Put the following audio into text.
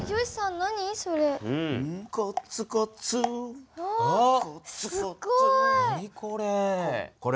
何これ？